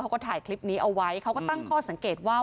เขาก็ถ่ายคลิปนี้เอาไว้เขาก็ตั้งข้อสังเกตว่า